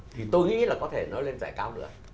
thì tôi nghĩ là có thể nói lên giải cao nữa